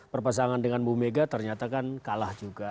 berpasangan dengan bu mega ternyata kan kalah juga